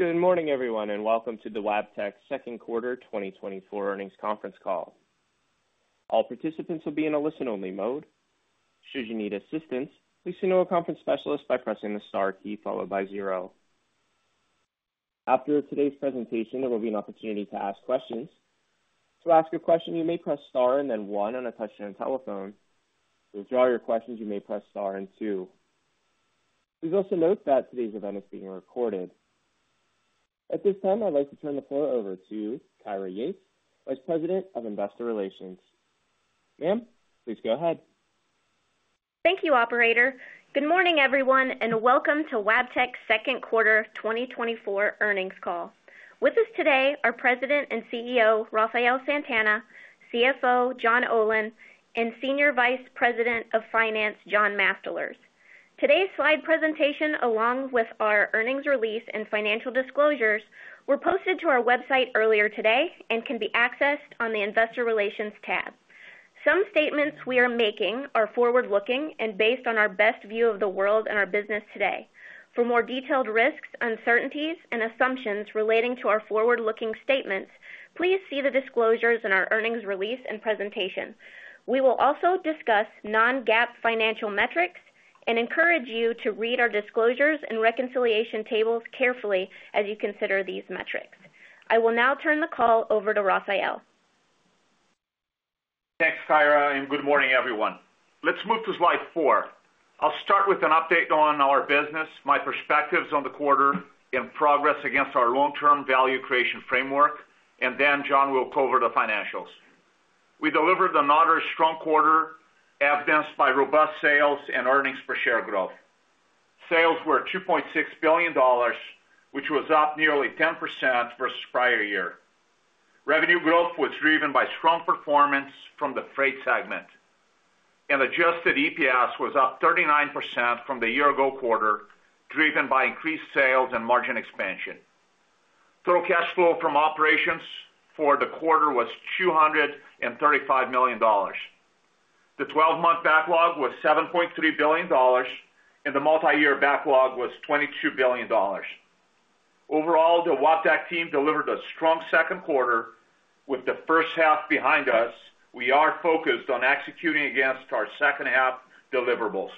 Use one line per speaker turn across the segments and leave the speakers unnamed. Good morning, everyone, and welcome to the Wabtec Second Quarter 2024 earnings conference call. All participants will be in a listen-only mode. Should you need assistance, please send a conference specialist by pressing the star key followed by zero. After today's presentation, there will be an opportunity to ask questions. To ask a question, you may press star and then one on a touch-tone telephone. To withdraw your questions, you may press star and two. Please also note that today's event is being recorded. At this time, I'd like to turn the floor over to Kyra Yates, Vice President of Investor Relations. Ma'am, please go ahead.
Thank you, Operator. Good morning, everyone, and welcome to Wabtec Second Quarter 2024 earnings call. With us today are President and CEO Rafael Santana, CFO John Olin, and Senior Vice President of Finance John Mastalerz. Today's slide presentation, along with our earnings release and financial disclosures, were posted to our website earlier today and can be accessed on the Investor Relations tab. Some statements we are making are forward-looking and based on our best view of the world and our business today. For more detailed risks, uncertainties, and assumptions relating to our forward-looking statements, please see the disclosures in our earnings release and presentation. We will also discuss non-GAAP financial metrics and encourage you to read our disclosures and reconciliation tables carefully as you consider these metrics. I will now turn the call over to Rafael.
Thanks, Kyra, and good morning, everyone. Let's move to slide four. I'll start with an update on our business, my perspectives on the quarter, and progress against our long-term value creation framework, and then John will cover the financials. We delivered another strong quarter evidenced by robust sales and earnings per share growth. Sales were $2.6 billion, which was up nearly 10% versus prior year. Revenue growth was driven by strong performance from the freight segment. An adjusted EPS was up 39% from the year-ago quarter, driven by increased sales and margin expansion. Total cash flow from operations for the quarter was $235 million. The 12-month backlog was $7.3 billion, and the multi-year backlog was $22 billion. Overall, the Wabtec team delivered a strong second quarter. With the first half behind us, we are focused on executing against our second-half deliverables.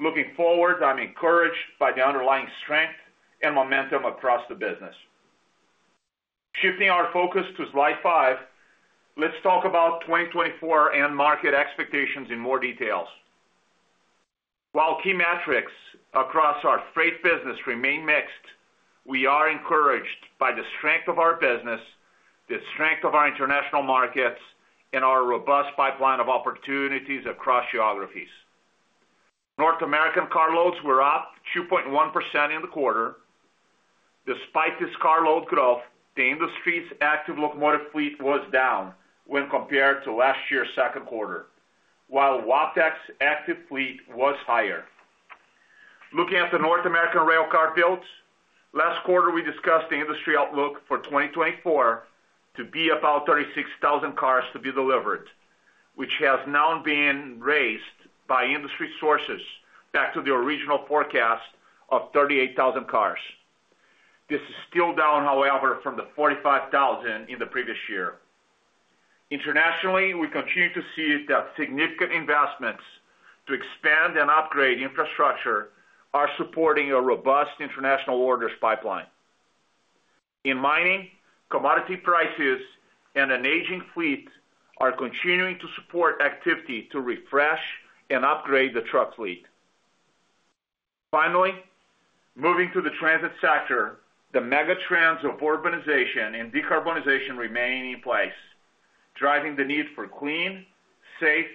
Looking forward, I'm encouraged by the underlying strength and momentum across the business. Shifting our focus to slide five, let's talk about 2024 and market expectations in more detail. While key metrics across our freight business remain mixed, we are encouraged by the strength of our business, the strength of our international markets, and our robust pipeline of opportunities across geographies. North American carloads were up 2.1% in the quarter. Despite this carload growth, the industry's active locomotive fleet was down when compared to last year's second quarter, while Wabtec's active fleet was higher. Looking at the North American railcar builds, last quarter we discussed the industry outlook for 2024 to be about 36,000 cars to be delivered, which has now been raised by industry sources back to the original forecast of 38,000 cars. This is still down, however, from the 45,000 in the previous year. Internationally, we continue to see that significant investments to expand and upgrade infrastructure are supporting a robust international orders pipeline. In mining, commodity prices and an aging fleet are continuing to support activity to refresh and upgrade the truck fleet. Finally, moving to the transit sector, the megatrends of urbanization and decarbonization remain in place, driving the need for clean, safe,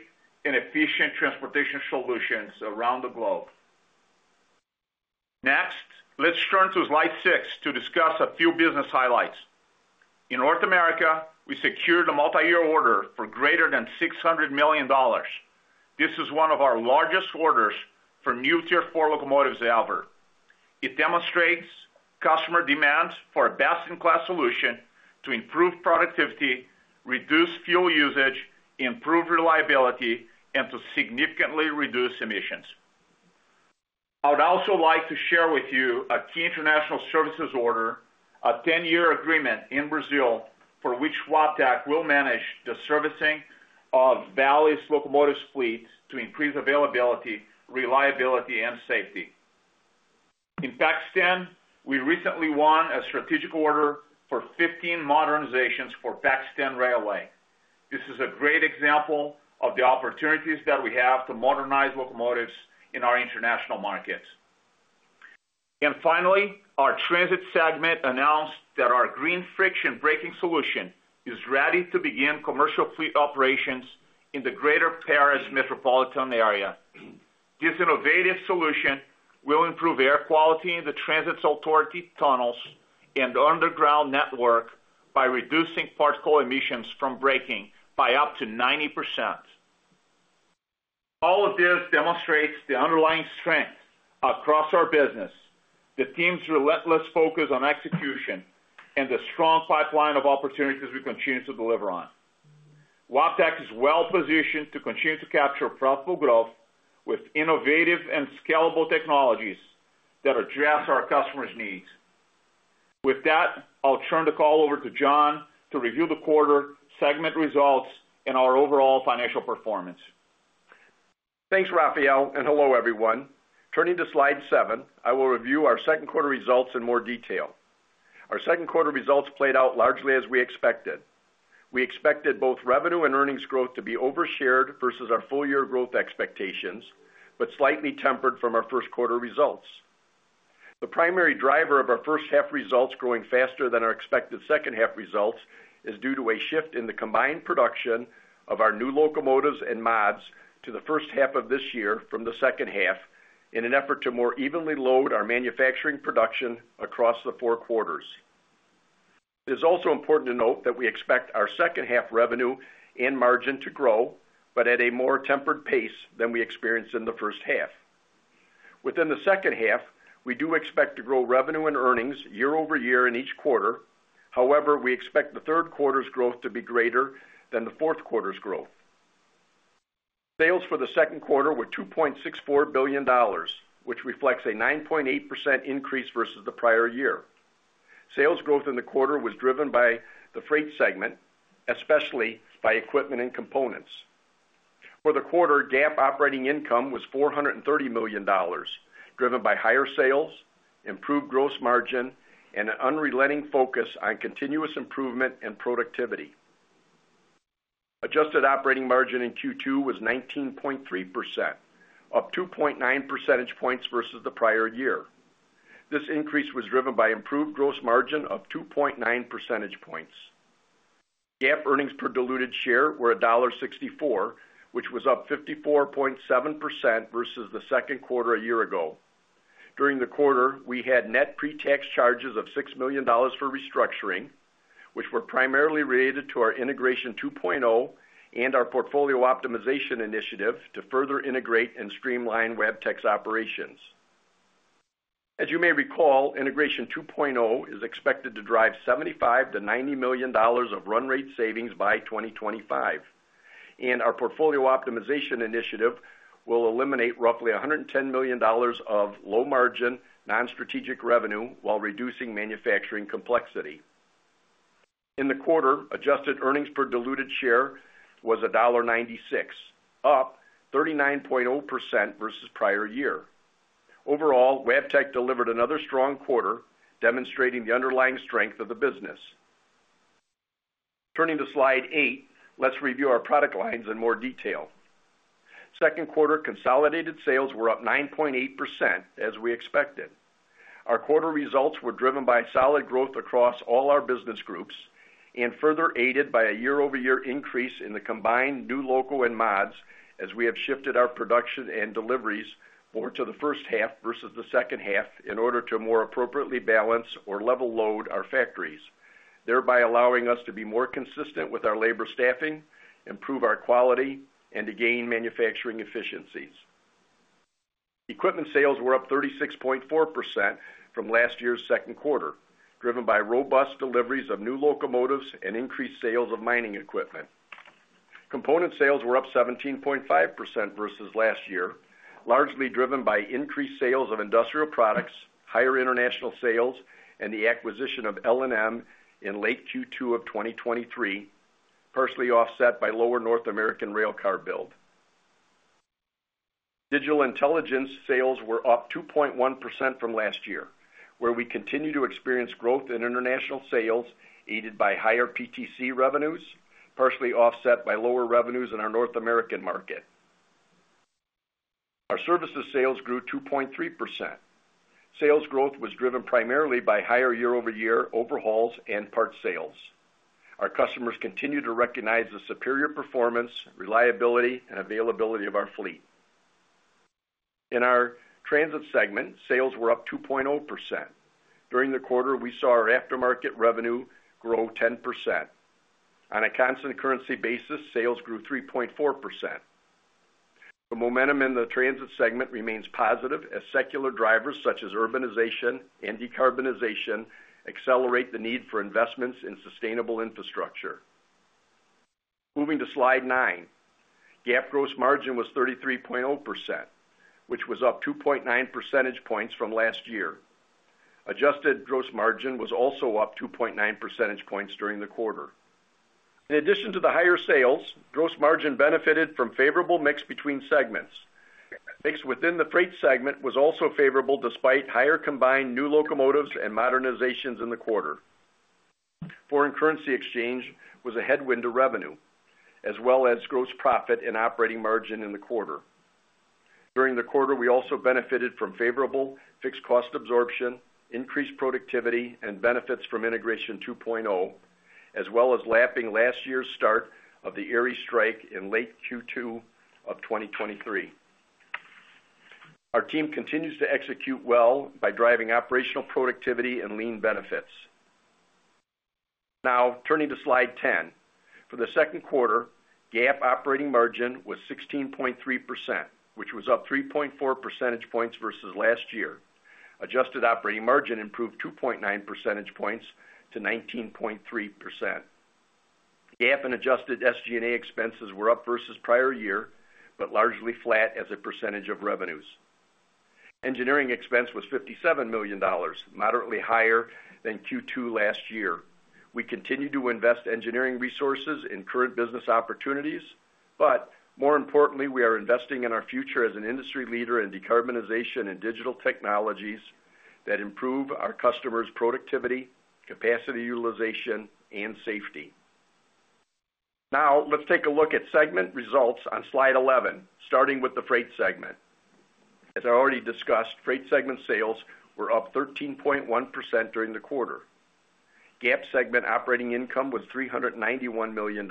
and efficient transportation solutions around the globe. Next, let's turn to slide six to discuss a few business highlights. In North America, we secured a multi-year order for greater than $600 million. This is one of our largest orders for new Tier 4 locomotives ever. It demonstrates customer demand for a best-in-class solution to improve productivity, reduce fuel usage, improve reliability, and to significantly reduce emissions. I would also like to share with you a key international services order, a 10-year agreement in Brazil for which Wabtec will manage the servicing of Vale's locomotive fleet to increase availability, reliability, and safety. In Pakistan, we recently won a strategic order for 15 modernizations for Pakistan Railways. This is a great example of the opportunities that we have to modernize locomotives in our international markets. And finally, our transit segment announced that our Green Friction braking solution is ready to begin commercial fleet operations in the Greater Paris metropolitan area. This innovative solution will improve air quality in the transit's authority tunnels and underground network by reducing particle emissions from braking by up to 90%. All of this demonstrates the underlying strength across our business, the team's relentless focus on execution, and the strong pipeline of opportunities we continue to deliver on. Wabtec is well positioned to continue to capture profitable growth with innovative and scalable technologies that address our customers' needs. With that, I'll turn the call over to John to review the quarter segment results and our overall financial performance.
Thanks, Rafael, and hello, everyone. Turning to slide seven, I will review our second quarter results in more detail. Our second quarter results played out largely as we expected. We expected both revenue and earnings growth to be overshared versus our full-year growth expectations, but slightly tempered from our first quarter results. The primary driver of our first-half results growing faster than our expected second-half results is due to a shift in the combined production of our new locomotives and mods to the first half of this year from the second half in an effort to more evenly load our manufacturing production across the four quarters. It is also important to note that we expect our second-half revenue and margin to grow, but at a more tempered pace than we experienced in the first half. Within the second half, we do expect to grow revenue and earnings year-over-year in each quarter. However, we expect the third quarter's growth to be greater than the fourth quarter's growth. Sales for the second quarter were $2.64 billion, which reflects a 9.8% increase versus the prior year. Sales growth in the quarter was driven by the freight segment, especially by equipment and components. For the quarter, GAAP operating income was $430 million, driven by higher sales, improved gross margin, and an unrelenting focus on continuous improvement and productivity. Adjusted operating margin in Q2 was 19.3%, up 2.9 percentage points versus the prior year. This increase was driven by improved gross margin of 2.9 percentage points. GAAP earnings per diluted share were $1.64, which was up 54.7% versus the second quarter a year ago. During the quarter, we had net pre-tax charges of $6 million for restructuring, which were primarily related to our Integration 2.0 and our portfolio optimization initiative to further integrate and streamline Wabtec's operations. As you may recall, Integration 2.0 is expected to drive $75-$90 million of run rate savings by 2025. Our portfolio optimization initiative will eliminate roughly $110 million of low-margin, non-strategic revenue while reducing manufacturing complexity. In the quarter, adjusted earnings per diluted share was $1.96, up 39.0% versus prior year. Overall, Wabtec delivered another strong quarter, demonstrating the underlying strength of the business. Turning to slide eight, let's review our product lines in more detail. Second quarter consolidated sales were up 9.8% as we expected. Our quarter results were driven by solid growth across all our business groups and further aided by a year-over-year increase in the combined new loco and mods as we have shifted our production and deliveries more to the first half versus the second half in order to more appropriately balance or level load our factories, thereby allowing us to be more consistent with our labor staffing, improve our quality, and to gain manufacturing efficiencies. Equipment sales were up 36.4% from last year's second quarter, driven by robust deliveries of new locomotives and increased sales of mining equipment. Component sales were up 17.5% versus last year, largely driven by increased sales of industrial products, higher international sales, and the acquisition of L&M in late Q2 of 2023, partially offset by lower North American railcar build. Digital intelligence sales were up 2.1% from last year, where we continue to experience growth in international sales aided by higher PTC revenues, partially offset by lower revenues in our North American market. Our services sales grew 2.3%. Sales growth was driven primarily by higher year-over-year overhauls and part sales. Our customers continue to recognize the superior performance, reliability, and availability of our fleet. In our transit segment, sales were up 2.0%. During the quarter, we saw our aftermarket revenue grow 10%. On a constant currency basis, sales grew 3.4%. The momentum in the transit segment remains positive as secular drivers such as urbanization and decarbonization accelerate the need for investments in sustainable infrastructure. Moving to slide nine, GAAP gross margin was 33.0%, which was up 2.9 percentage points from last year. Adjusted gross margin was also up 2.9 percentage points during the quarter. In addition to the higher sales, gross margin benefited from favorable mix between segments. Mix within the freight segment was also favorable despite higher combined new locomotives and modernizations in the quarter. Foreign currency exchange was a headwind to revenue, as well as gross profit and operating margin in the quarter. During the quarter, we also benefited from favorable fixed cost absorption, increased productivity, and benefits from Integration 2.0, as well as lapping last year's start of the Erie strike in late Q2 of 2023. Our team continues to execute well by driving operational productivity and lean benefits. Now, turning to slide 10. For the second quarter, GAAP operating margin was 16.3%, which was up 3.4 percentage points versus last year. Adjusted operating margin improved 2.9 percentage points to 19.3%. GAAP and adjusted SG&A expenses were up versus prior year, but largely flat as a percentage of revenues. Engineering expense was $57 million, moderately higher than Q2 last year. We continue to invest engineering resources in current business opportunities, but more importantly, we are investing in our future as an industry leader in decarbonization and digital technologies that improve our customers' productivity, capacity utilization, and safety. Now, let's take a look at segment results on slide 11, starting with the freight segment. As I already discussed, freight segment sales were up 13.1% during the quarter. GAAP segment operating income was $391 million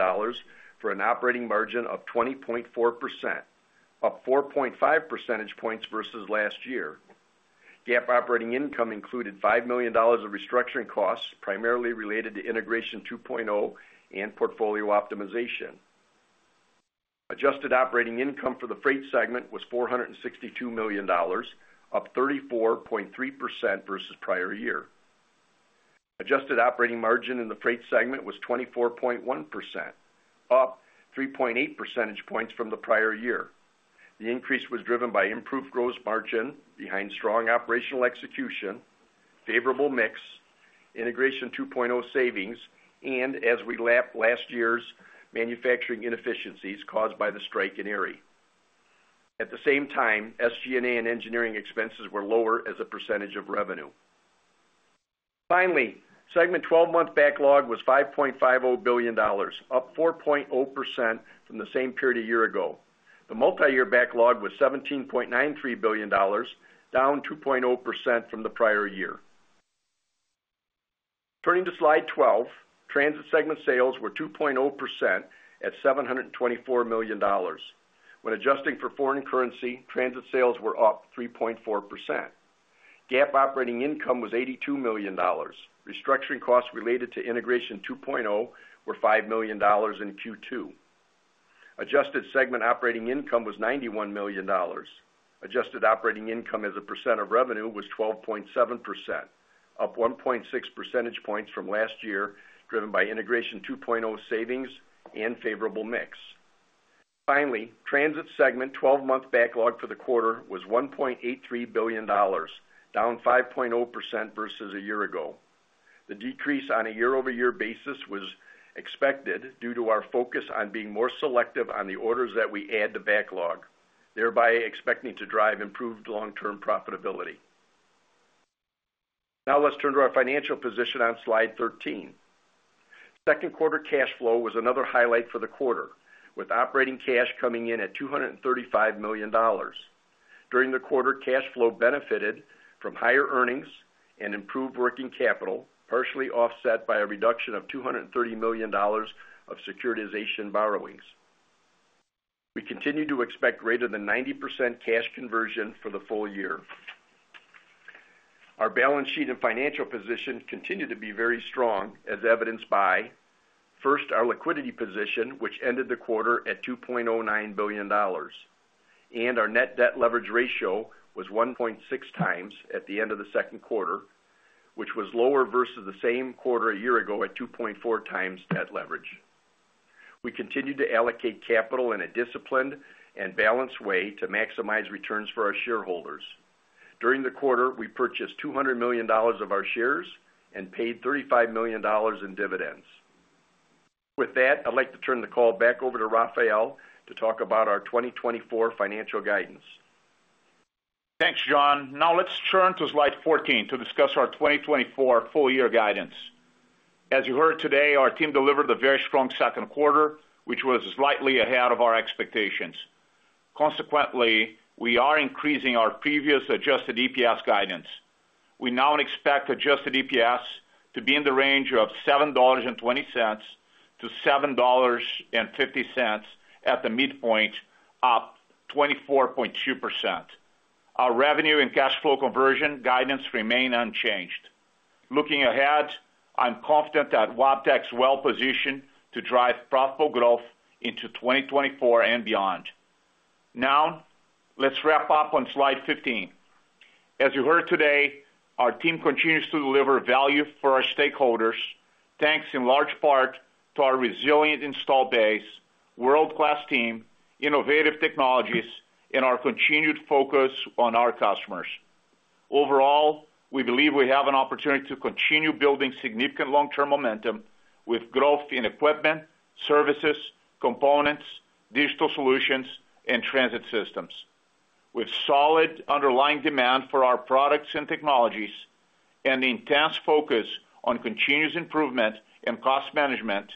for an operating margin of 20.4%, up 4.5 percentage points versus last year. GAAP operating income included $5 million of restructuring costs primarily related to Integration 2.0 and portfolio optimization. Adjusted operating income for the freight segment was $462 million, up 34.3% versus prior year. Adjusted operating margin in the freight segment was 24.1%, up 3.8 percentage points from the prior year. The increase was driven by improved gross margin behind strong operational execution, favorable mix, Integration 2.0 savings, and as we lapped last year's manufacturing inefficiencies caused by the strike in Erie. At the same time, SG&A and engineering expenses were lower as a percentage of revenue. Finally, segment 12-month backlog was $5.50 billion, up 4.0% from the same period a year ago. The multi-year backlog was $17.93 billion, down 2.0% from the prior year. Turning to slide 12, transit segment sales were 2.0% at $724 million. When adjusting for foreign currency, transit sales were up 3.4%. GAAP operating income was $82 million. Restructuring costs related to Integration 2.0 were $5 million in Q2. Adjusted segment operating income was $91 million. Adjusted operating income as a percent of revenue was 12.7%, up 1.6 percentage points from last year, driven by Integration 2.0 savings and favorable mix. Finally, transit segment 12-month backlog for the quarter was $1.83 billion, down 5.0% versus a year ago. The decrease on a year-over-year basis was expected due to our focus on being more selective on the orders that we add to backlog, thereby expecting to drive improved long-term profitability. Now, let's turn to our financial position on slide 13. Second quarter cash flow was another highlight for the quarter, with operating cash coming in at $235 million. During the quarter, cash flow benefited from higher earnings and improved working capital, partially offset by a reduction of $230 million of securitization borrowings. We continue to expect greater than 90% cash conversion for the full year. Our balance sheet and financial position continue to be very strong, as evidenced by, first, our liquidity position, which ended the quarter at $2.09 billion, and our net debt leverage ratio was 1.6 times at the end of the second quarter, which was lower versus the same quarter a year ago at 2.4 times debt leverage. We continue to allocate capital in a disciplined and balanced way to maximize returns for our shareholders. During the quarter, we purchased $200 million of our shares and paid $35 million in dividends. With that, I'd like to turn the call back over to Rafael to talk about our 2024 financial guidance.
Thanks, John. Now, let's turn to slide 14 to discuss our 2024 full-year guidance. As you heard today, our team delivered a very strong second quarter, which was slightly ahead of our expectations. Consequently, we are increasing our previous adjusted EPS guidance. We now expect adjusted EPS to be in the range of $7.20-$7.50 at the midpoint, up 24.2%. Our revenue and cash flow conversion guidance remain unchanged. Looking ahead, I'm confident that Wabtec's well-positioned to drive profitable growth into 2024 and beyond. Now, let's wrap up on slide 15. As you heard today, our team continues to deliver value for our stakeholders, thanks in large part to our resilient install base, world-class team, innovative technologies, and our continued focus on our customers. Overall, we believe we have an opportunity to continue building significant long-term momentum with growth in equipment, services, components, digital solutions, and transit systems. With solid underlying demand for our products and technologies and intense focus on continuous improvement and cost management,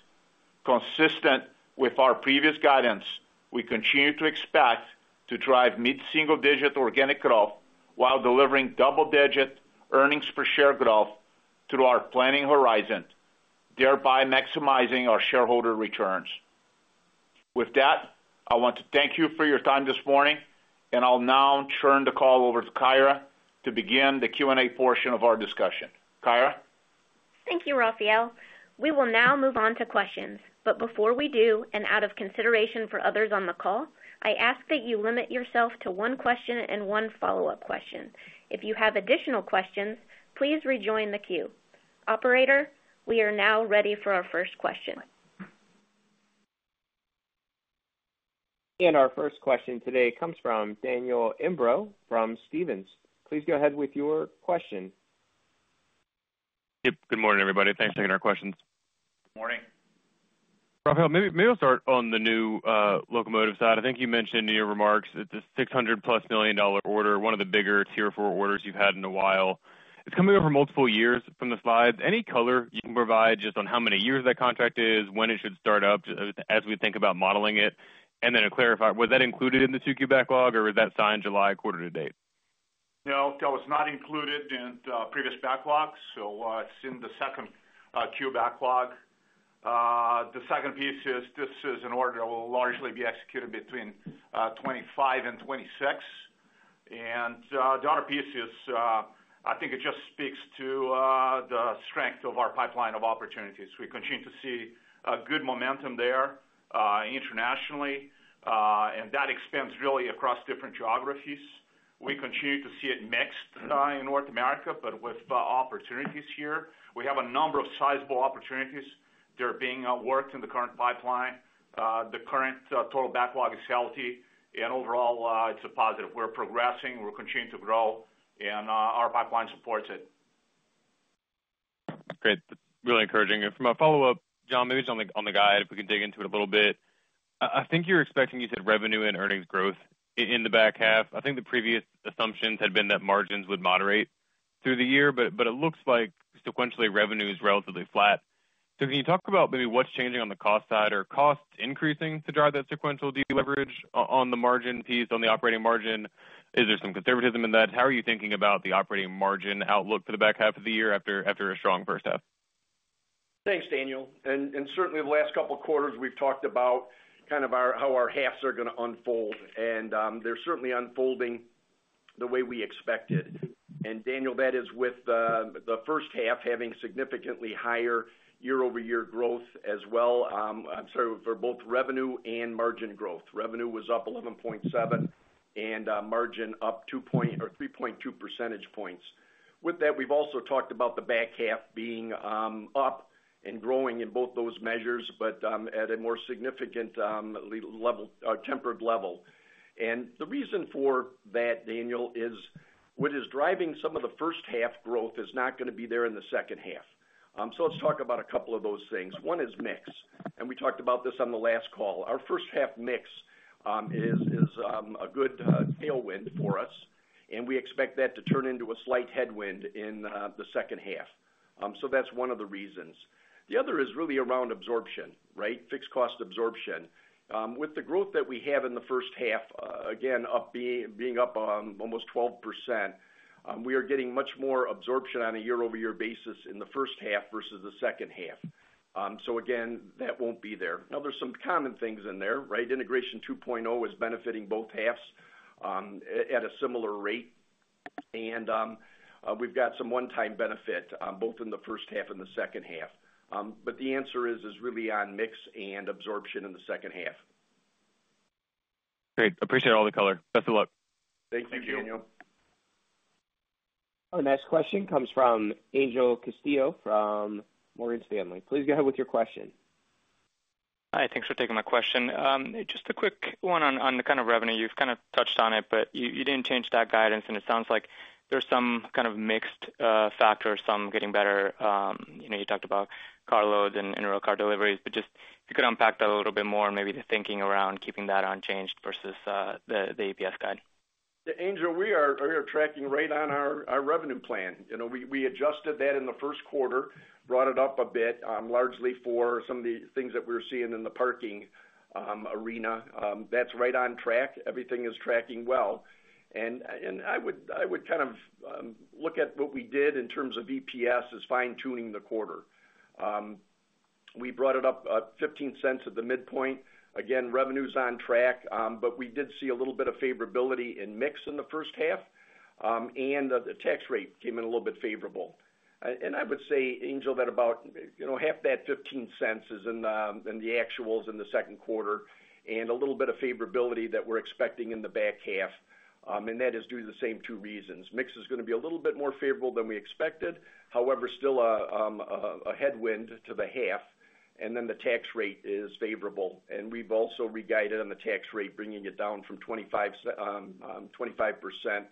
consistent with our previous guidance, we continue to expect to drive mid-single-digit organic growth while delivering double-digit earnings per share growth through our planning horizon, thereby maximizing our shareholder returns. With that, I want to thank you for your time this morning, and I'll now turn the call over to Kyra to begin the Q&A portion of our discussion. Kyra?
Thank you, Rafael. We will now move on to questions. But before we do, and out of consideration for others on the call, I ask that you limit yourself to one question and one follow-up question. If you have additional questions, please rejoin the queue. Operator, we are now ready for our first question.
Our first question today comes from Daniel Imbro from Stephens. Please go ahead with your question.
Yep. Good morning, everybody. Thanks for taking our questions.
Good morning.
Rafael, maybe I'll start on the new locomotive side. I think you mentioned in your remarks that the $600+ million order, one of the bigger Tier 4 orders you've had in a while, is coming over multiple years from the slides. Any color you can provide just on how many years that contract is, when it should start up as we think about modeling it? And then to clarify, was that included in the Q2 backlog, or was that signed July quarter to date?
No, that was not included in the previous backlog, so it's in the 2Q backlog. The second piece is this is an order that will largely be executed between 2025 and 2026. The other piece is I think it just speaks to the strength of our pipeline of opportunities. We continue to see good momentum there internationally, and that expands really across different geographies. We continue to see it mixed in North America, but with opportunities here. We have a number of sizable opportunities that are being worked in the current pipeline. The current total backlog is healthy, and overall, it's a positive. We're progressing. We're continuing to grow, and our pipeline supports it.
Great. Really encouraging. And from a follow-up, John, maybe it's on the guide if we can dig into it a little bit. I think you're expecting you said revenue and earnings growth in the back half. I think the previous assumptions had been that margins would moderate through the year, but it looks like sequentially revenue is relatively flat. So can you talk about maybe what's changing on the cost side or costs increasing to drive that sequential deleverage on the margin piece, on the operating margin? Is there some conservatism in that? How are you thinking about the operating margin outlook for the back half of the year after a strong first half?
Thanks, Daniel. Certainly, the last couple of quarters, we've talked about kind of how our halves are going to unfold, and they're certainly unfolding the way we expected. Daniel, that is with the first half having significantly higher year-over-year growth as well. I'm sorry, for both revenue and margin growth. Revenue was up 11.7% and margin up 3.2 percentage points. With that, we've also talked about the back half being up and growing in both those measures, but at a more significant tempered level. The reason for that, Daniel, is what is driving some of the first-half growth is not going to be there in the second half. Let's talk about a couple of those things. One is mix, and we talked about this on the last call. Our first-half mix is a good tailwind for us, and we expect that to turn into a slight headwind in the second half. So that's one of the reasons. The other is really around absorption, right? Fixed cost absorption. With the growth that we have in the first half, again, being up almost 12%, we are getting much more absorption on a year-over-year basis in the first half versus the second half. So again, that won't be there. Now, there's some common things in there, right? Integration 2.0 is benefiting both halves at a similar rate, and we've got some one-time benefit both in the first half and the second half. But the answer is really on mix and absorption in the second half.
Great. Appreciate all the color. Best of luck.
Thank you, Daniel.
Our next question comes from Angel Castillo from Morgan Stanley. Please go ahead with your question.
Hi. Thanks for taking my question. Just a quick one on the kind of revenue. You've kind of touched on it, but you didn't change that guidance, and it sounds like there's some kind of mixed factors, some getting better. You talked about car loads and railcar deliveries, but just if you could unpack that a little bit more and maybe the thinking around keeping that unchanged versus the EPS guide.
Yeah. Angel, we are tracking right on our revenue plan. We adjusted that in the first quarter, brought it up a bit, largely for some of the things that we were seeing in the parking arena. That's right on track. Everything is tracking well. And I would kind of look at what we did in terms of EPS as fine-tuning the quarter. We brought it up $0.15 at the midpoint. Again, revenue's on track, but we did see a little bit of favorability in mix in the first half, and the tax rate came in a little bit favorable. And I would say, Angel, that about half that $0.15 is in the actuals in the second quarter and a little bit of favorability that we're expecting in the back half, and that is due to the same two reasons. Mix is going to be a little bit more favorable than we expected, however, still a headwind to the half, and then the tax rate is favorable. We've also re-guided on the tax rate, bringing it down from 25% to 24.5%.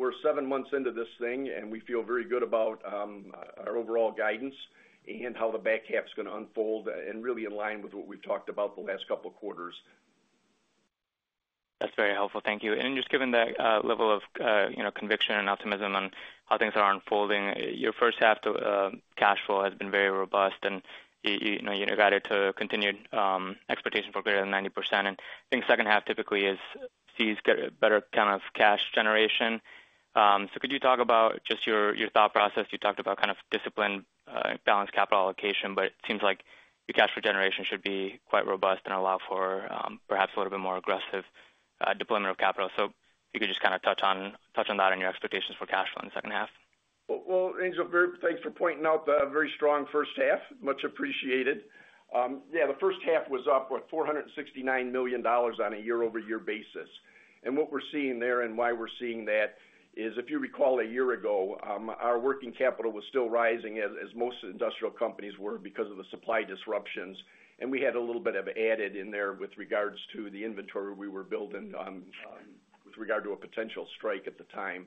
We're seven months into this thing, and we feel very good about our overall guidance and how the back half's going to unfold and really in line with what we've talked about the last couple of quarters.
That's very helpful. Thank you. And just given that level of conviction and optimism on how things are unfolding, your first half cash flow has been very robust, and you guided to continued expectation for greater than 90%. And I think second half typically sees better kind of cash generation. So could you talk about just your thought process? You talked about kind of discipline, balanced capital allocation, but it seems like your cash flow generation should be quite robust and allow for perhaps a little bit more aggressive deployment of capital. So if you could just kind of touch on that and your expectations for cash flow in the second half.
Well, Angel, thanks for pointing out the very strong first half. Much appreciated. Yeah, the first half was up, what, $469 million on a year-over-year basis. And what we're seeing there and why we're seeing that is, if you recall a year ago, our working capital was still rising, as most industrial companies were, because of the supply disruptions. And we had a little bit of added in there with regards to the inventory we were building with regard to a potential strike at the time.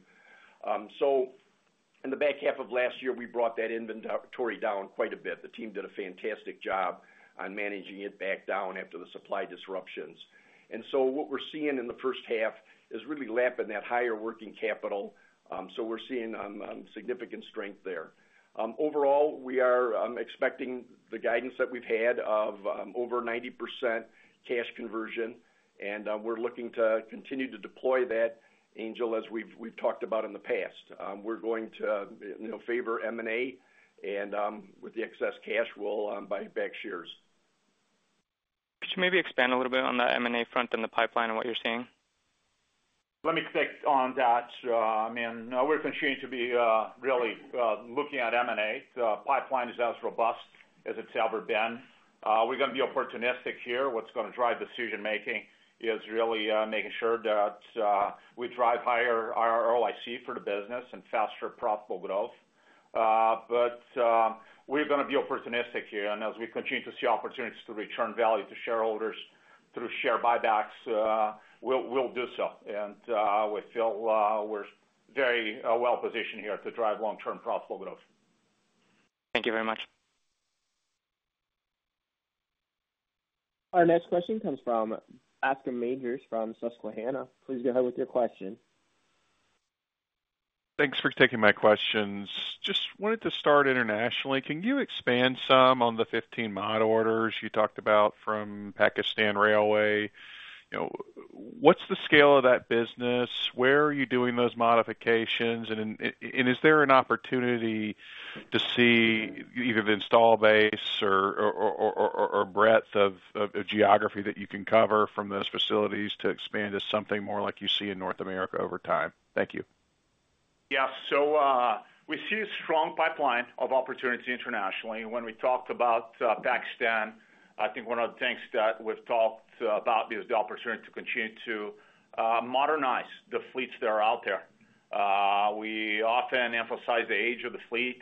So in the back half of last year, we brought that inventory down quite a bit. The team did a fantastic job on managing it back down after the supply disruptions. And so what we're seeing in the first half is really lapping that higher working capital. So we're seeing significant strength there. Overall, we are expecting the guidance that we've had of over 90% cash conversion, and we're looking to continue to deploy that, Angel, as we've talked about in the past. We're going to favor M&A, and with the excess cash, we'll buy back shares.
Could you maybe expand a little bit on that M&A front and the pipeline and what you're seeing?
Let me pick on that. I mean, we're continuing to be really looking at M&A. The pipeline is as robust as it's ever been. We're going to be opportunistic here. What's going to drive decision-making is really making sure that we drive higher ROIC for the business and faster profitable growth. But we're going to be opportunistic here, and as we continue to see opportunities to return value to shareholders through share buybacks, we'll do so. And we feel we're very well-positioned here to drive long-term profitable growth.
Thank you very much.
Our next question comes from Bascome Majors from Susquehanna. Please go ahead with your question.
Thanks for taking my questions. Just wanted to start internationally. Can you expand some on the 15 modernization orders you talked about from Pakistan Railways? What's the scale of that business? Where are you doing those modifications? And is there an opportunity to see either the install base or breadth of geography that you can cover from those facilities to expand to something more like you see in North America over time? Thank you.
Yeah. So we see a strong pipeline of opportunity internationally. When we talked about Pakistan, I think one of the things that we've talked about is the opportunity to continue to modernize the fleets that are out there. We often emphasize the age of the fleet,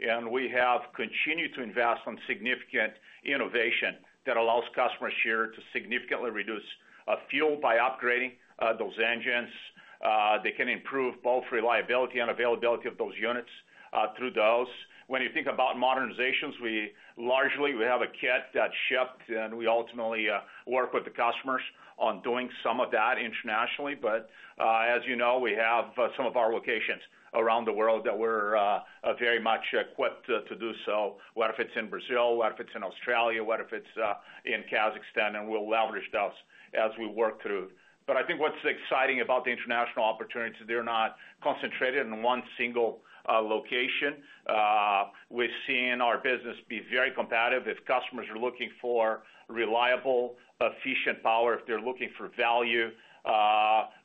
and we have continued to invest in significant innovation that allows customers here to significantly reduce fuel by upgrading those engines. They can improve both reliability and availability of those units through those. When you think about modernizations, largely, we have a kit that's shipped, and we ultimately work with the customers on doing some of that internationally. But as you know, we have some of our locations around the world that we're very much equipped to do so, whether it's in Brazil, whether it's in Australia, whether it's in Kazakhstan, and we'll leverage those as we work through. But I think what's exciting about the international opportunities, they're not concentrated in one single location. We're seeing our business be very competitive. If customers are looking for reliable, efficient power, if they're looking for value,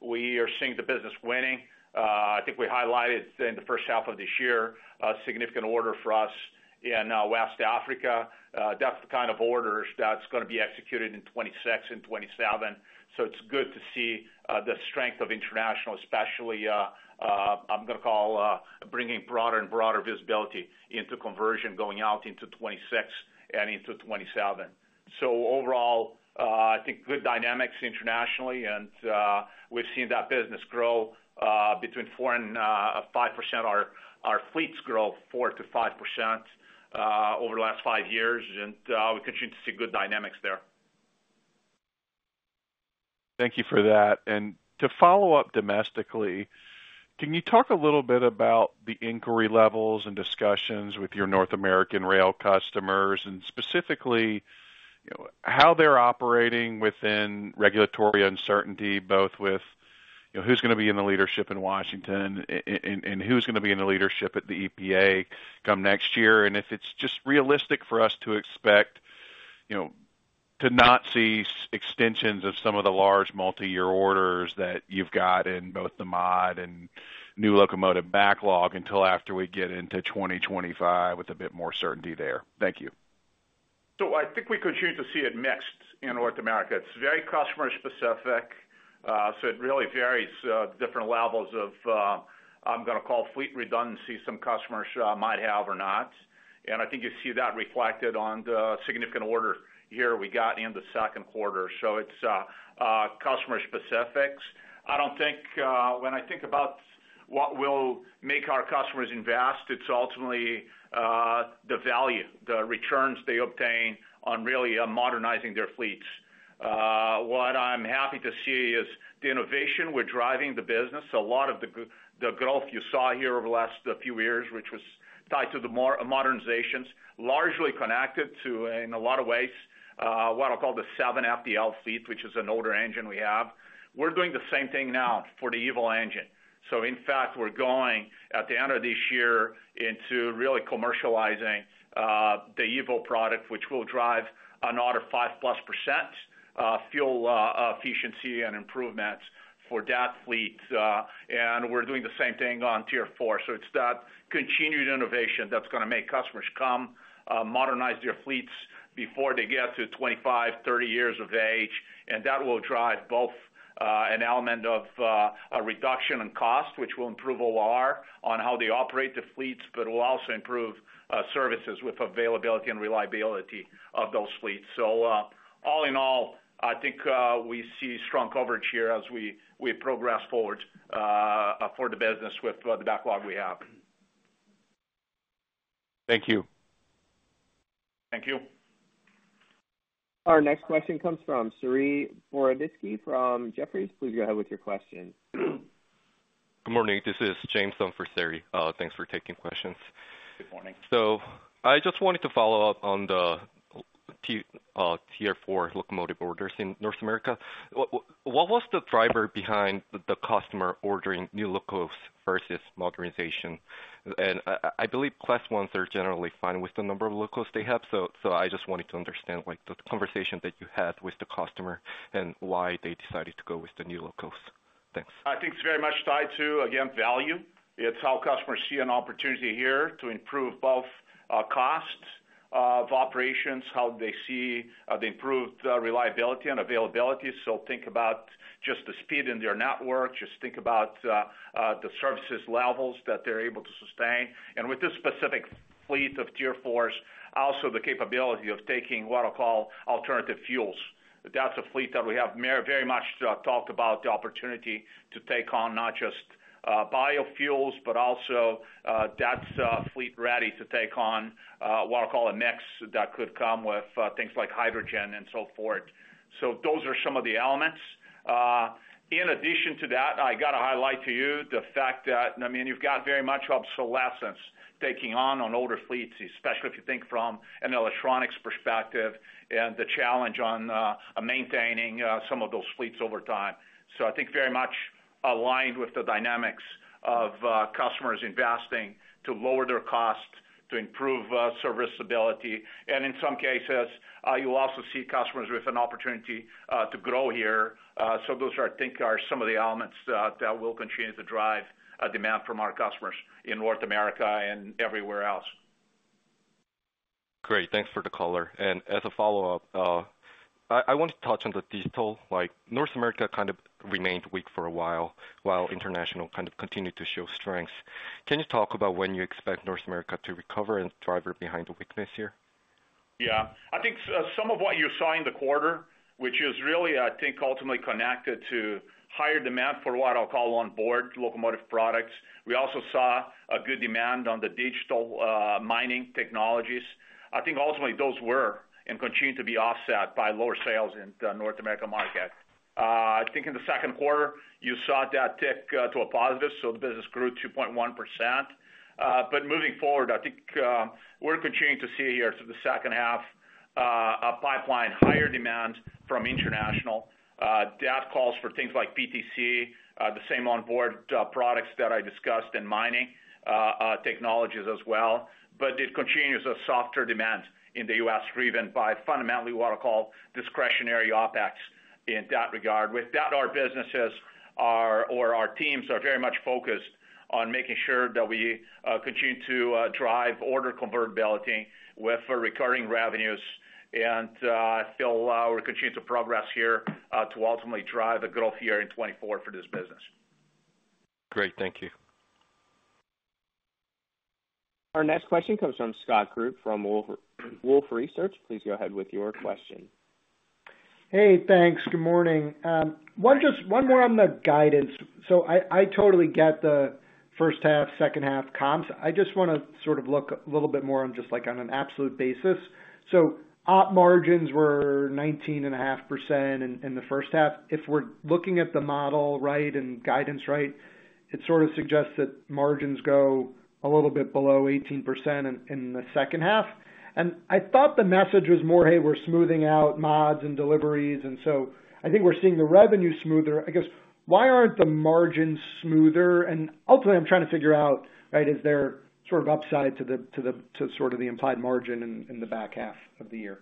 we are seeing the business winning. I think we highlighted in the first half of this year a significant order for us in West Africa. That's the kind of orders that's going to be executed in 2026 and 2027. So it's good to see the strength of international, especially I'm going to call bringing broader and broader visibility into conversion going out into 2026 and into 2027. So overall, I think good dynamics internationally, and we've seen that business grow between 4%-5%. Our fleets grow 4%-5% over the last five years, and we continue to see good dynamics there.
Thank you for that. And to follow up domestically, can you talk a little bit about the inquiry levels and discussions with your North American rail customers and specifically how they're operating within regulatory uncertainty, both with who's going to be in the leadership in Washington and who's going to be in the leadership at the EPA come next year? And if it's just realistic for us to expect to not see extensions of some of the large multi-year orders that you've got in both the mod and new locomotive backlog until after we get into 2025 with a bit more certainty there? Thank you.
So I think we continue to see it mixed in North America. It's very customer-specific, so it really varies different levels of, I'm going to call, fleet redundancy some customers might have or not. I think you see that reflected on the significant order here we got in the second quarter. So it's customer-specifics. I don't think when I think about what will make our customers invest, it's ultimately the value, the returns they obtain on really modernizing their fleets. What I'm happy to see is the innovation we're driving the business. A lot of the growth you saw here over the last few years, which was tied to the modernizations, largely connected to, in a lot of ways, what I'll call the 7FDL fleet, which is an older engine we have. We're doing the same thing now for the EVO engine. So in fact, we're going at the end of this year into really commercializing the EVO product, which will drive another 5%+ fuel efficiency and improvements for that fleet. And we're doing the same thing on Tier 4. So it's that continued innovation that's going to make customers come modernize their fleets before they get to 25, 30 years of age. And that will drive both an element of reduction in cost, which will improve OR on how they operate the fleets, but will also improve services with availability and reliability of those fleets. So all in all, I think we see strong coverage here as we progress forward for the business with the backlog we have.
Thank you.
Thank you.
Our next question comes from Saree Boroditsky from Jefferies. Please go ahead with your question.
Good morning. This is James on for Saree. Thanks for taking questions.
Good morning.
So I just wanted to follow up on the Tier 4 Locomotive orders in North America. What was the driver behind the customer ordering new locos versus modernization? And I believe Class One are generally fine with the number of locos they have. So I just wanted to understand the conversation that you had with the customer and why they decided to go with the new locos. Thanks.
I think it's very much tied to, again, value. It's how customers see an opportunity here to improve both costs of operations, how they see the improved reliability and availability. So think about just the speed in their network, just think about the service levels that they're able to sustain. And with this specific fleet of Tier 4, also the capability of taking what I'll call alternative fuels. That's a fleet that we have very much talked about the opportunity to take on not just biofuels, but also that's fleet ready to take on what I'll call a mix that could come with things like hydrogen and so forth. So those are some of the elements. In addition to that, I got to highlight to you the fact that, I mean, you've got very much obsolescence taking on older fleets, especially if you think from an electronics perspective and the challenge on maintaining some of those fleets over time. So I think very much aligned with the dynamics of customers investing to lower their costs, to improve serviceability. And in some cases, you'll also see customers with an opportunity to grow here. So those are, I think, some of the elements that will continue to drive demand from our customers in North America and everywhere else.
Great. Thanks for the caller. And as a follow-up, I want to touch on the digital. North America kind of remained weak for a while while international kind of continued to show strength. Can you talk about when you expect North America to recover and drivers behind the weakness here?
Yeah. I think some of what you saw in the quarter, which is really, I think, ultimately connected to higher demand for what I'll call onboard locomotive products. We also saw a good demand on the digital mining technologies. I think ultimately those were and continue to be offset by lower sales in the North America market. I think in the second quarter, you saw that tick to a positive. So the business grew 2.1%. But moving forward, I think we're continuing to see here through the second half a pipeline, higher demand from international. That calls for things like PTC, the same onboard products that I discussed in mining technologies as well. But it continues a softer demand in the U.S. driven by fundamentally what I'll call discretionary OpEx in that regard. With that, our businesses or our teams are very much focused on making sure that we continue to drive order convertibility with recurring revenues. I feel we're continuing to progress here to ultimately drive the growth here in 2024 for this business.
Great. Thank you.
Our next question comes from Scott Group from Wolfe Research. Please go ahead with your question.
Hey, thanks. Good morning. One more on the guidance. So I totally get the first half, second half comps. I just want to sort of look a little bit more on just like on an absolute basis. So op margins were 19.5% in the first half. If we're looking at the model right and guidance right, it sort of suggests that margins go a little bit below 18% in the second half. And I thought the message was more, "Hey, we're smoothing out mods and deliveries." And so I think we're seeing the revenue smoother. I guess, why aren't the margins smoother? And ultimately, I'm trying to figure out, right, is there sort of upside to sort of the implied margin in the back half of the year?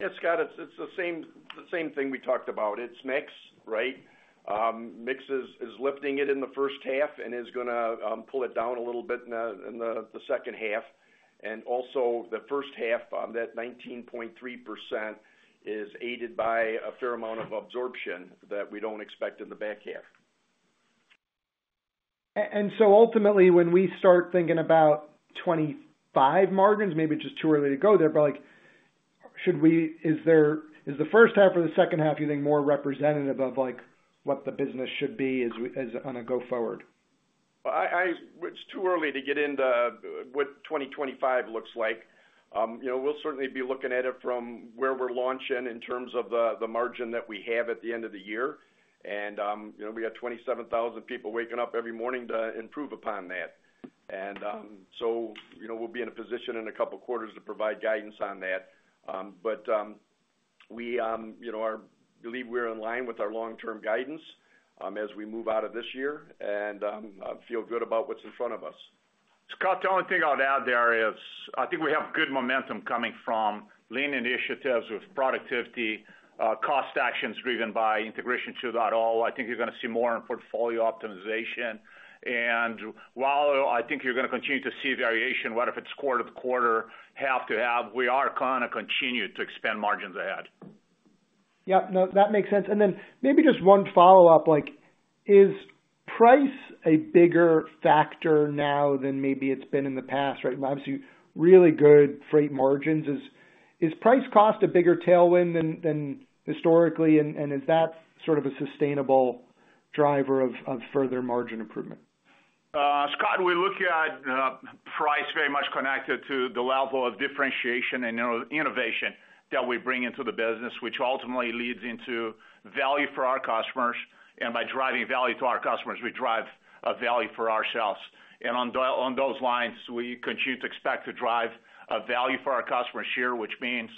Yeah, Scott, it's the same thing we talked about. It's mixed, right? Mix is lifting it in the first half and is going to pull it down a little bit in the second half. And also the first half, that 19.3% is aided by a fair amount of absorption that we don't expect in the back half.
And so ultimately, when we start thinking about 2025 margins, maybe it's just too early to go there, but is the first half or the second half, you think, more representative of what the business should be on a go-forward?
It's too early to get into what 2025 looks like. We'll certainly be looking at it from where we're launching in terms of the margin that we have at the end of the year. We have 27,000 people waking up every morning to improve upon that. So we'll be in a position in a couple of quarters to provide guidance on that. But I believe we're in line with our long-term guidance as we move out of this year and feel good about what's in front of us.
Scott's only thing I'll add there is I think we have good momentum coming from lean initiatives with productivity, cost actions driven by Integration 2.0. I think you're going to see more in portfolio optimization. While I think you're going to continue to see variation, whether if it's quarter to quarter, half to half, we are going to continue to expand margins ahead.
Yeah. No, that makes sense. And then maybe just one follow-up. Is price a bigger factor now than maybe it's been in the past? Right? Obviously, really good freight margins. Is price cost a bigger tailwind than historically? And is that sort of a sustainable driver of further margin improvement?
Scott, we look at price very much connected to the level of differentiation and innovation that we bring into the business, which ultimately leads into value for our customers. By driving value to our customers, we drive value for ourselves. On those lines, we continue to expect to drive value for our customers here, which means,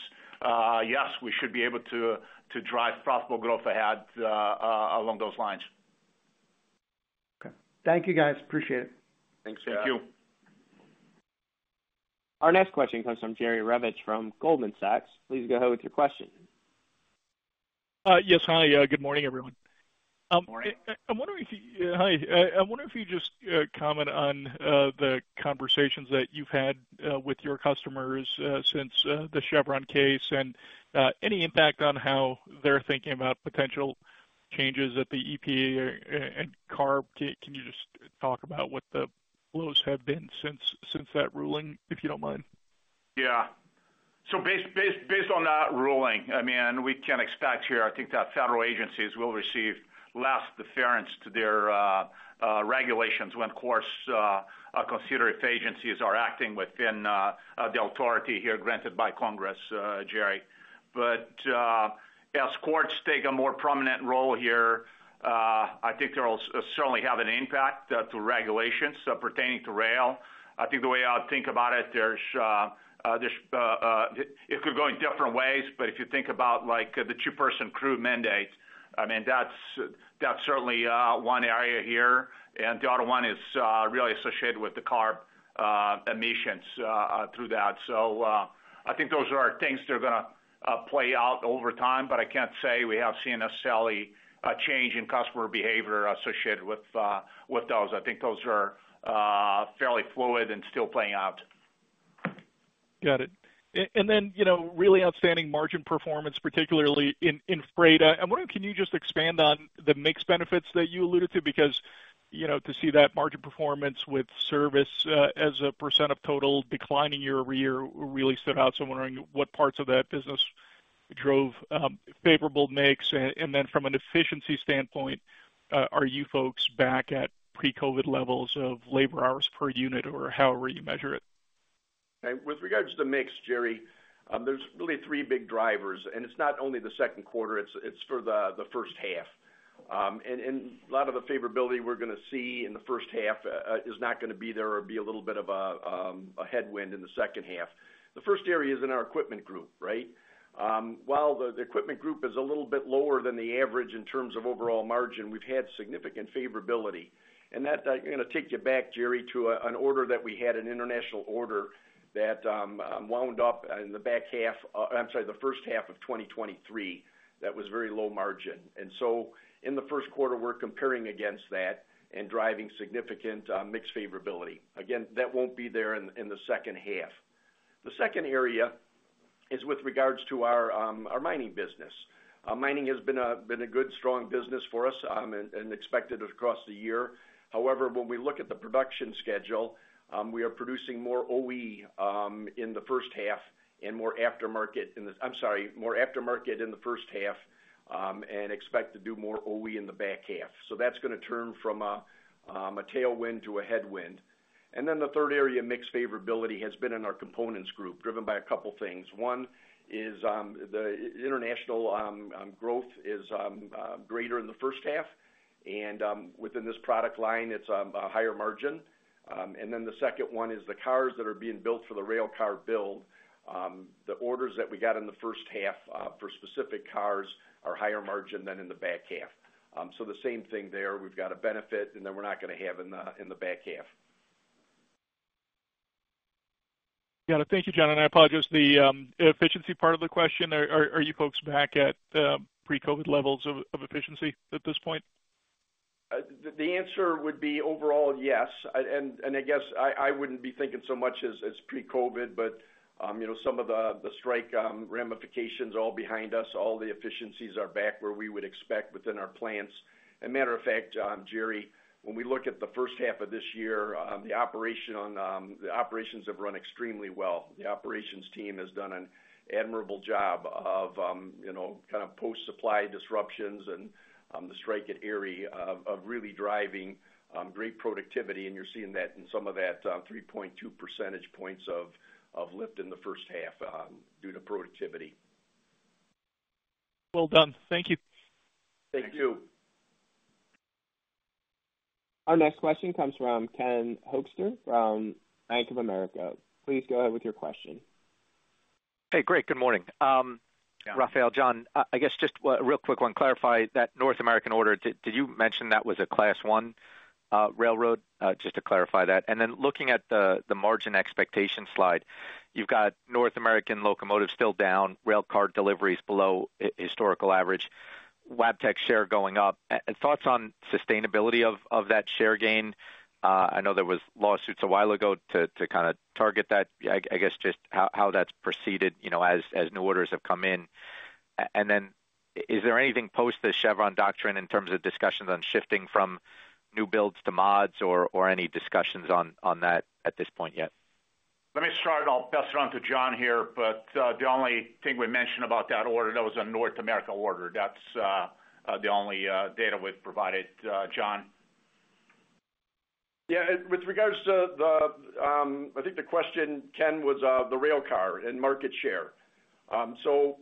yes, we should be able to drive profitable growth ahead along those lines.
Okay. Thank you, guys. Appreciate it.
Thanks, Scott.
Thank you.
Our next question comes from Jerry Revich from Goldman Sachs. Please go ahead with your question.
Yes, hi. Good morning, everyone.
Good morning.
I'm wondering if you just comment on the conversations that you've had with your customers since the Chevron case and any impact on how they're thinking about potential changes at the EPA and CARB. Can you just talk about what the flows have been since that ruling, if you don't mind?
Yeah. So based on that ruling, I mean, we can expect here, I think, that federal agencies will receive less deference to their regulations when, of course, consider if agencies are acting within the authority here granted by Congress, Jerry. But as courts take a more prominent role here, I think they'll certainly have an impact to regulations pertaining to rail. I think the way I think about it, there's it could go in different ways. But if you think about the two-person crew mandate, I mean, that's certainly one area here. And the other one is really associated with the CARB emissions through that. So I think those are things that are going to play out over time, but I can't say we have seen necessarily a change in customer behavior associated with those. I think those are fairly fluid and still playing out.
Got it. And then really outstanding margin performance, particularly in freight. I'm wondering, can you just expand on the mixed benefits that you alluded to? Because to see that margin performance with service as a % of total declining year-over-year really stood out. So I'm wondering what parts of that business drove favorable mix. And then from an efficiency standpoint, are you folks back at pre-COVID levels of labor hours per unit or however you measure it?
Okay. With regards to the mix, Jerry, there's really three big drivers. It's not only the second quarter. It's for the first half. A lot of the favorability we're going to see in the first half is not going to be there or be a little bit of a headwind in the second half. The first area is in our equipment group, right? While the equipment group is a little bit lower than the average in terms of overall margin, we've had significant favorability. That's going to take you back, Jerry, to an order that we had, an international order that wound up in the back half, I'm sorry, the first half of 2023, that was very low margin. So in the first quarter, we're comparing against that and driving significant mixed favorability. Again, that won't be there in the second half. The second area is with regards to our mining business. Mining has been a good, strong business for us and expected across the year. However, when we look at the production schedule, we are producing more OE in the first half and more aftermarket in the—I'm sorry—more aftermarket in the first half and expect to do more OE in the back half. So that's going to turn from a tailwind to a headwind. And then the third area, mixed favorability, has been in our components group, driven by a couple of things. One is the international growth is greater in the first half. And within this product line, it's a higher margin. And then the second one is the cars that are being built for the rail car build. The orders that we got in the first half for specific cars are higher margin than in the back half. So the same thing there. We've got a benefit, and then we're not going to have in the back half.
Got it. Thank you, John. I apologize. The efficiency part of the question, are you folks back at pre-COVID levels of efficiency at this point?
The answer would be overall, yes. And I guess I wouldn't be thinking so much as pre-COVID, but some of the strike ramifications are all behind us. All the efficiencies are back where we would expect within our plants. And matter of fact, Jerry, when we look at the first half of this year, the operations have run extremely well. The operations team has done an admirable job of kind of post-supply disruptions and the strike at Erie of really driving great productivity. And you're seeing that in some of that 3.2 percentage points of lift in the first half due to productivity.
Well done. Thank you.
Thank you.
Our next question comes from Ken Hoexter from Bank of America. Please go ahead with your question.
Hey, great. Good morning. Rafael, John, I guess just a real quick one, clarify that North American order. Did you mention that was a Class One railroad? Just to clarify that. And then looking at the margin expectation slide, you've got North American locomotives still down, rail car deliveries below historical average, Wabtec share going up. Thoughts on sustainability of that share gain? I know there were lawsuits a while ago to kind of target that. I guess just how that's proceeded as new orders have come in. And then is there anything post the Chevron doctrine in terms of discussions on shifting from new builds to mods or any discussions on that at this point yet?
Let me start. I'll pass it on to John here. But the only thing we mentioned about that order, that was a North America order. That's the only data we've provided, John?
Yeah. With regards to, I think, the question, Ken, was the rail car and market share. So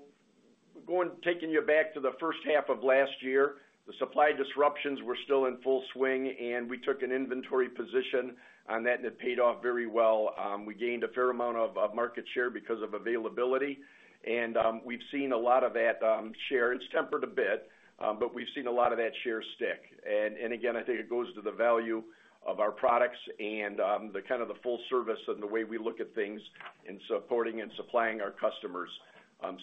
taking you back to the first half of last year, the supply disruptions were still in full swing, and we took an inventory position on that, and it paid off very well. We gained a fair amount of market share because of availability. And we've seen a lot of that share. It's tempered a bit, but we've seen a lot of that share stick. And again, I think it goes to the value of our products and kind of the full service and the way we look at things in supporting and supplying our customers.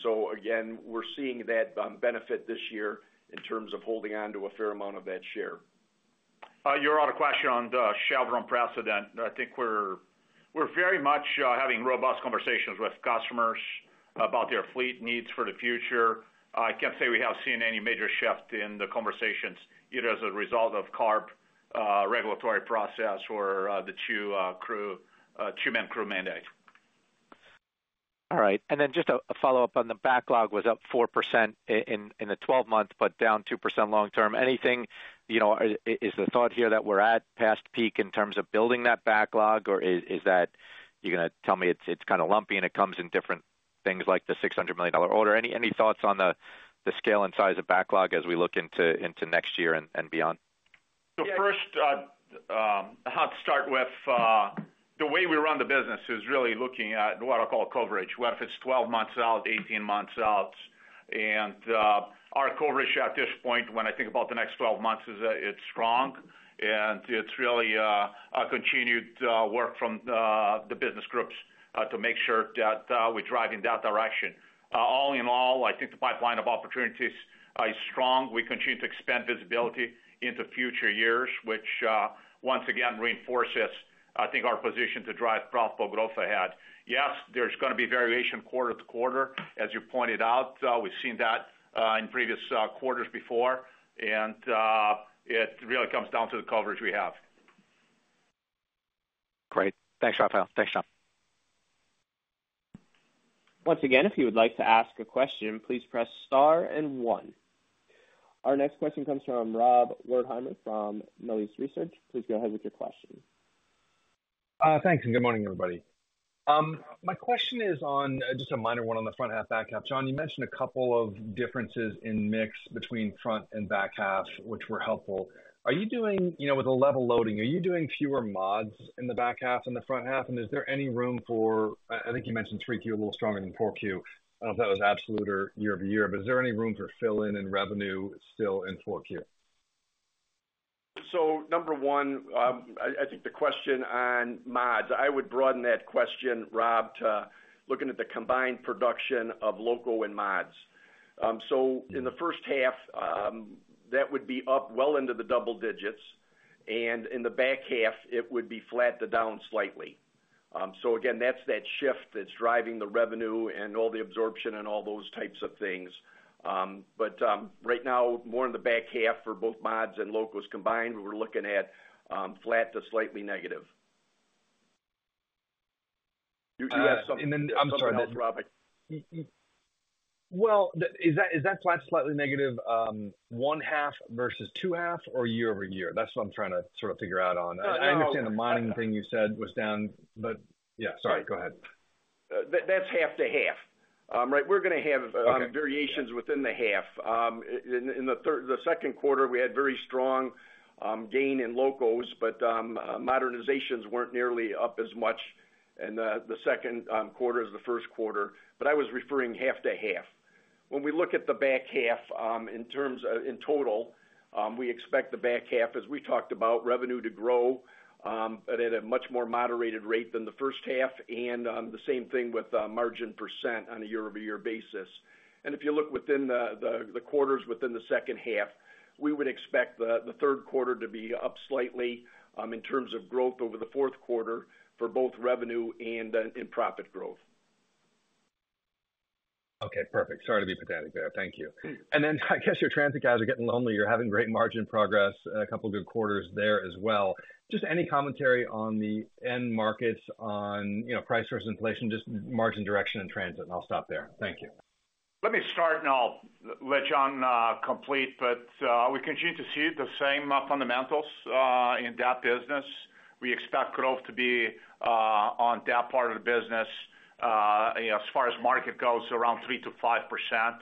So again, we're seeing that benefit this year in terms of holding on to a fair amount of that share.
You're on a question on the Chevron deference. I think we're very much having robust conversations with customers about their fleet needs for the future. I can't say we have seen any major shift in the conversations either as a result of CARB regulatory process or the two-man crew mandate.
All right. And then just a follow-up on the backlog was up 4% in the 12 months, but down 2% long term. Anything is the thought here that we're at past peak in terms of building that backlog, or is that you're going to tell me it's kind of lumpy and it comes in different things like the $600 million order? Any thoughts on the scale and size of backlog as we look into next year and beyond?
So first, I'll start with the way we run the business is really looking at what I call coverage, whether it's 12 months out, 18 months out. Our coverage at this point, when I think about the next 12 months, is strong. It's really a continued work from the business groups to make sure that we're driving that direction. All in all, I think the pipeline of opportunities is strong. We continue to expand visibility into future years, which once again reinforces, I think, our position to drive profitable growth ahead. Yes, there's going to be variation quarter to quarter, as you pointed out. We've seen that in previous quarters before. It really comes down to the coverage we have.
Great. Thanks, Rafael. Thanks, John.
Once again, if you would like to ask a question, please press star and one. Our next question comes from Rob Wertheimer from Melius Research. Please go ahead with your question.
Thanks. Good morning, everybody. My question is on just a minor one on the front half, back half. John, you mentioned a couple of differences in mix between front and back half, which were helpful. Are you doing with the level loading, are you doing fewer mods in the back half and the front half? And is there any room for I think you mentioned 3Q a little stronger than 4Q. I don't know if that was absolute or year-over-year, but is there any room for fill-in and revenue still in 4Q?
So, number one, I think the question on mods. I would broaden that question, Rob, to looking at the combined production of locos and mods. So in the first half, that would be up well into the double digits. And in the back half, it would be flat to down slightly. So again, that's that shift that's driving the revenue and all the absorption and all those types of things. But right now, more in the back half for both mods and locos combined, we're looking at flat to slightly negative. And then I'm sorry.
Well, is that flat to slightly negative 1H versus 2H or year-over-year? That's what I'm trying to sort of figure out on. I understand the mining thing you said was down, but yeah. Sorry. Go ahead.
That's 1H to 2H. Right? We're going to have variations within the half. In the second quarter, we had very strong gain in locos, but modernizations weren't nearly up as much in the second quarter as the first quarter. But I was referring 1H to 2H. When we look at the back half in total, we expect the back half, as we talked about, revenue to grow at a much more moderated rate than the first half. And the same thing with margin % on a year-over-year basis. If you look within the quarters within the second half, we would expect the third quarter to be up slightly in terms of growth over the fourth quarter for both revenue and in profit growth.
Okay. Perfect. Sorry to be pathetic there. Thank you. And then I guess your transit guys are getting lonely. You're having great margin progress, a couple of good quarters there as well. Just any commentary on the end markets on price versus inflation, just margin direction and transit, and I'll stop there. Thank you.
Let me start and I'll let John complete, but we continue to see the same fundamentals in that business. We expect growth to be on that part of the business as far as market goes, around 3%-5%.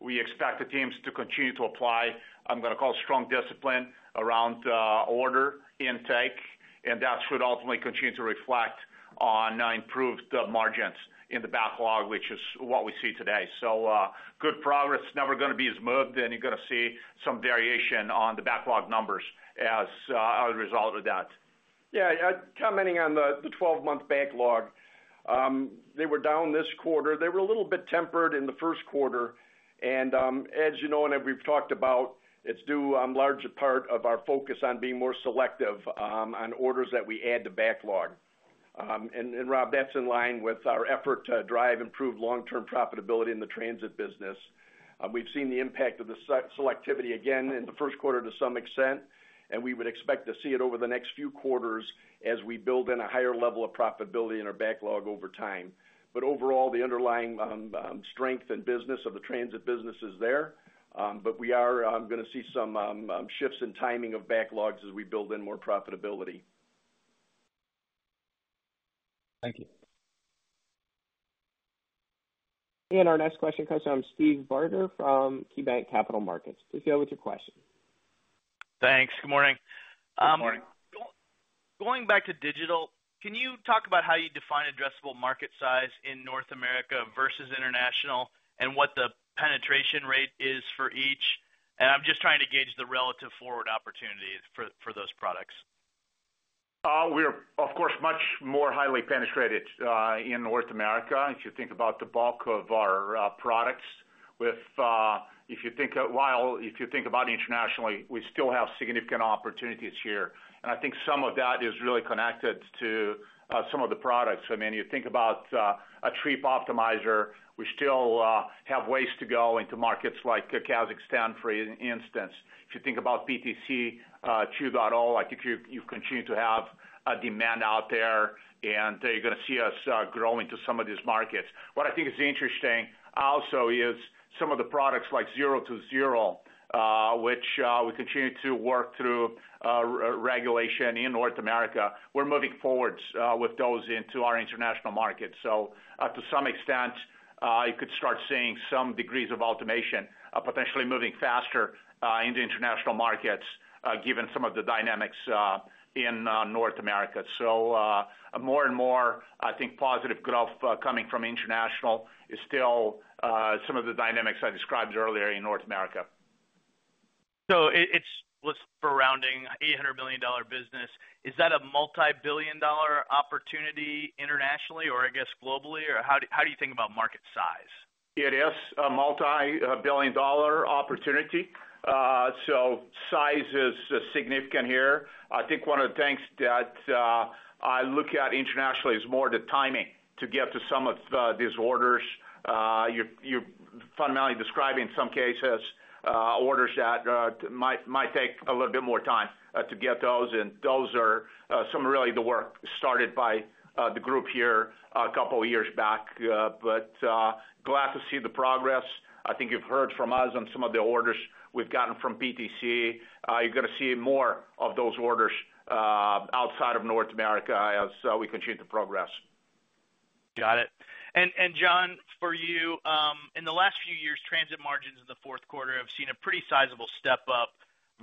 We expect the teams to continue to apply, I'm going to call it strong discipline around order intake. And that should ultimately continue to reflect on improved margins in the backlog, which is what we see today. So good progress. It's never going to be as moved, and you're going to see some variation on the backlog numbers as a result of that.
Yeah. Commenting on the 12-month backlog, they were down this quarter. They were a little bit tempered in the first quarter. As you know, and as we've talked about, it's due in large part to our focus on being more selective on orders that we add to backlog. Rob, that's in line with our effort to drive improved long-term profitability in the transit business. We've seen the impact of the selectivity again in the first quarter to some extent, and we would expect to see it over the next few quarters as we build in a higher level of profitability in our backlog over time. Overall, the underlying strength and business of the transit business is there. We are going to see some shifts in timing of backlogs as we build in more profitability.
Thank you.
Our next question comes from Steve Barger from KeyBanc Capital Markets. Please go with your question.
Thanks. Good morning.
Good morning.
Going back to digital, can you talk about how you define addressable market size in North America versus international and what the penetration rate is for each? I'm just trying to gauge the relative forward opportunity for those products.
We're, of course, much more highly penetrated in North America. If you think about the bulk of our products, if you think about internationally, we still have significant opportunities here. And I think some of that is really connected to some of the products. I mean, you think about Trip Optimizer, we still have ways to go into markets like Kazakhstan, for instance. If you think about PTC 2.0, I think you continue to have a demand out there, and you're going to see us grow into some of these markets. What I think is interesting also is some of the products like Zero-to-Zero, which we continue to work through regulation in North America. We're moving forward with those into our international markets. To some extent, you could start seeing some degrees of automation potentially moving faster into international markets given some of the dynamics in North America. More and more, I think positive growth coming from international is still some of the dynamics I described earlier in North America.
It's surrounding $800 million business. Is that a multi-billion dollar opportunity internationally or I guess globally? Or how do you think about market size?
It is a multi-billion-dollar opportunity. So size is significant here. I think one of the things that I look at internationally is more the timing to get to some of these orders. You're fundamentally describing in some cases orders that might take a little bit more time to get those. And those are some really the work started by the group here a couple of years back. But glad to see the progress. I think you've heard from us on some of the orders we've gotten from PTC. You're going to see more of those orders outside of North America as we continue to progress. Got it. And John, for you, in the last few years, transit margins in the fourth quarter have seen a pretty sizable step up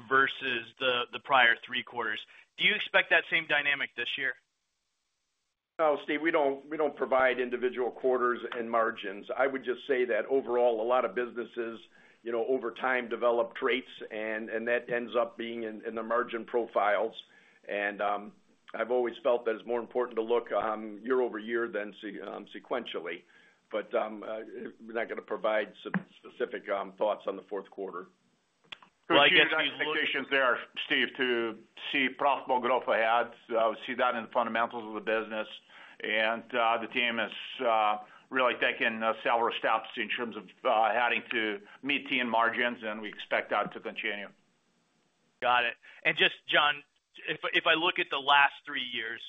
versus the prior three quarters. Do you expect that same dynamic this year?
No, Steve, we don't provide individual quarters and margins. I would just say that overall, a lot of businesses over time develop traits, and that ends up being in the margin profiles. And I've always felt that it's more important to look year-over-year than sequentially. But I'm not going to provide specific thoughts on the fourth quarter. Well, I guess the expectations there are, Steve, to see profitable growth ahead. I would see that in the fundamentals of the business. And the team is really taking several steps in terms of having to meet team margins, and we expect that to continue.
Got it. Just, John, if I look at the last three years,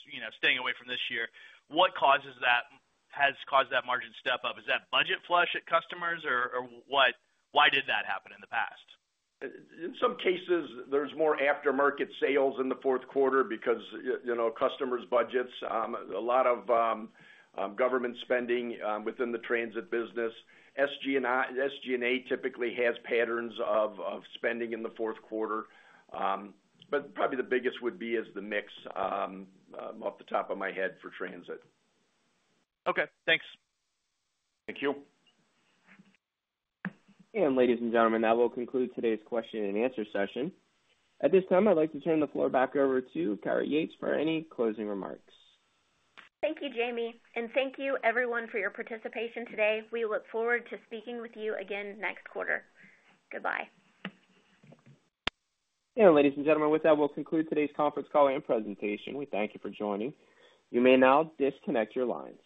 staying away from this year, what causes that has caused that margin step up? Is that budget flush at customers, or why did that happen in the past?
In some cases, there's more aftermarket sales in the fourth quarter because customers' budgets, a lot of government spending within the transit business. SG&A typically has patterns of spending in the fourth quarter. But probably the biggest would be the mix off the top of my head for transit.
Okay. Thanks.
Thank you.
Ladies and gentlemen, that will conclude today's question and answer session. At this time, I'd like to turn the floor back over to Kyra Yates for any closing remarks.
Thank you, Jamie. Thank you, everyone, for your participation today. We look forward to speaking with you again next quarter. Goodbye.
Ladies and gentlemen, with that, we'll conclude today's conference call and presentation. We thank you for joining. You may now disconnect your lines.